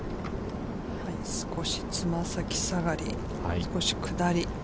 少しつま先下がり、少し下り。